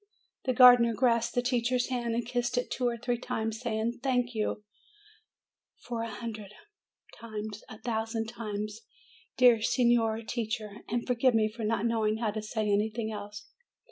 The gardener grasped the teacher's hand and kissed it two or three times, saying : "Thank you f a hundred THE DEAF MUTE 305 times, a thousand times, dear Signora Teacher! and forgive me for not knowing how to say anything else!"